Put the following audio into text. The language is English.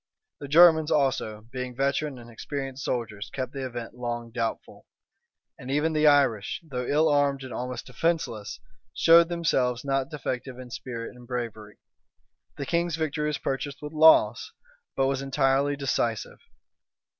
The Germans also, being veteran and experienced soldiers, kept the event long doubtful; and even the Irish, though ill armed and almost defenceless, showed themselves not defective in spirit and bravery. The king's victory was purchased with loss, but was entirely decisive.